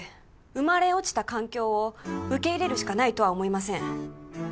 生まれ落ちた環境を受け入れるしかないとは思いません